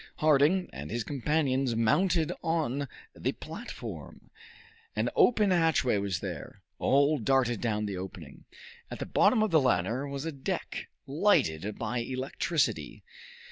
Harding and his companions mounted on the platform. An open hatchway was there. All darted down the opening. At the bottom of the ladder was a deck, lighted by electricity.